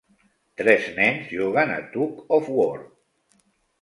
Tres nens juguen a Tug of Wor.